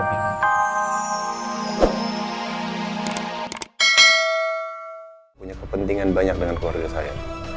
punya kepentingan banyak dengan keluarga saya